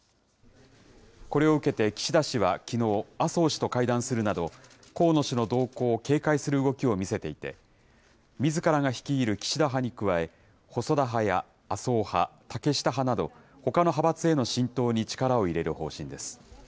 これを受けて岸田氏はきのう、麻生氏と会談するなど、河野氏の動向を警戒する動きを見せていて、みずからが率いる岸田派に加え、細田派や麻生派、竹下派など、ほかの派閥への浸透に力を入れる方針です。